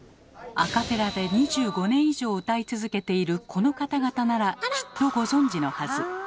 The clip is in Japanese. アカペラで２５年以上歌い続けているこの方々ならきっとご存じのはず。